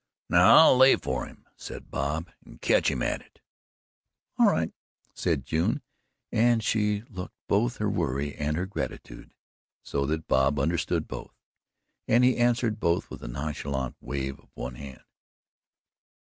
"Now I'll lay for him," said Bob, "and catch him at it." "All right," said June, and she looked both her worry and her gratitude so that Bob understood both; and he answered both with a nonchalant wave of one hand.